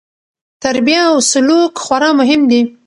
تربیه او سلوک خورا مهم دي.